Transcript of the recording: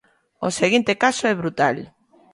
O seguinte caso é brutal.